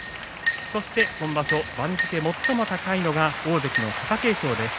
そして今場所、番付最も高いのが大関の貴景勝です。